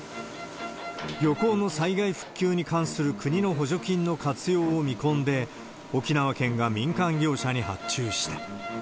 漁港の災害復旧に関する国の補助金の活用を見込んで、沖縄県が民間業者に発注した。